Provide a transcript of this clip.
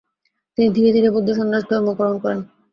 তিনি ধীরে ধীরে বৌদ্ধ সন্ন্যাস ধর্ম গ্রহণ করেন।